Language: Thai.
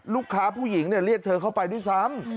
ผู้หญิงเรียกเธอเข้าไปด้วยซ้ำ